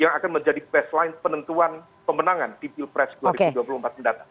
yang akan menjadi baseline penentuan pemenangan di pilpres dua ribu dua puluh empat mendatang